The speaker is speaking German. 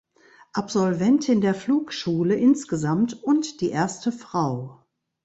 Absolventin der Flugschule insgesamt und die erste Frau.